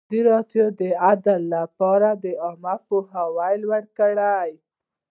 ازادي راډیو د عدالت لپاره عامه پوهاوي لوړ کړی.